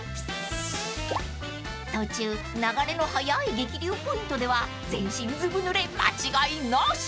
［途中流れの速い激流ポイントでは全身ずぶぬれ間違いなし］